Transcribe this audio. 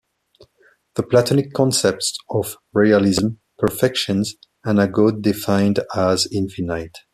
The Platonic concepts of realism, perfections, and a God defined as infinite.